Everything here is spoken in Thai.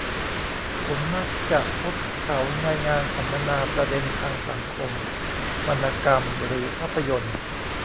ผมมักจะพบเขาในงานสัมมนาประเด็นทางสังคม วรรณกรรม หรือภาพยนตร์